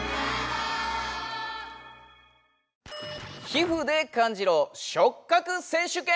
皮膚で感じろ触覚選手権！